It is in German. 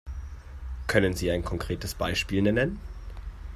Können Sie ein konkretes Beispiel nennen?